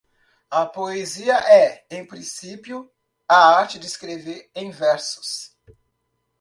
A poesia é, em princípio, a arte de escrever em versos.